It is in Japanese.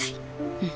うん。